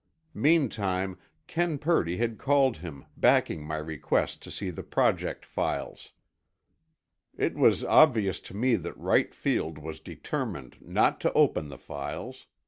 Meantime, Ken Purdy had called him backing my request to see the Project files. It was obvious to me that Wright Field was determined not to open the files.